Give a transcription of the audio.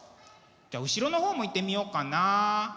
じゃあ後ろの方もいってみようかな。